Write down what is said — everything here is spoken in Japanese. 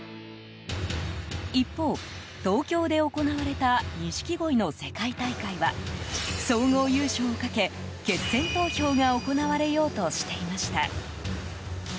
一方、東京で行われた錦鯉の世界大会は総合優勝をかけ、決戦投票が行われようとしていました。